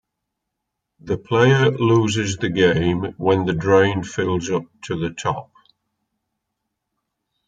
The player loses the game when the Drain fills up to the top.